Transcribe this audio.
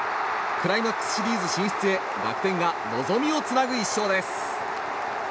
クライマックスシリーズ進出へ楽天が望みをつなぐ１勝です。